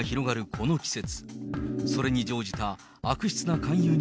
この季節。